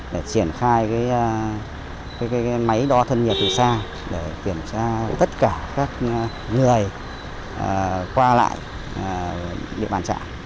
để triển khai máy đo thân nhiệt từ xa để kiểm tra tất cả các người qua lại địa bàn trạng